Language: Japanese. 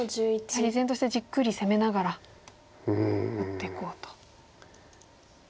やはり依然としてじっくり攻めながら打っていこうと。